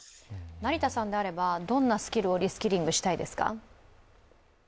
成田さんであればどんなスキルをリスキリングしたいですか？